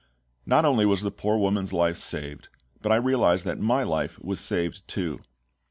Not only was the poor woman's life saved, but I realised that my life was saved too!